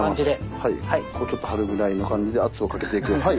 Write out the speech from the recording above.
ここちょっとはるぐらいの感じで圧をかけていく。